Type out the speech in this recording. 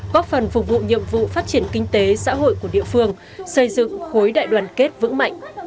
góp phần phục vụ nhiệm vụ phát triển kinh tế xã hội của địa phương xây dựng khối đại đoàn kết vững mạnh